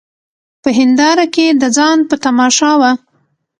په هینداره کي د ځان په تماشا وه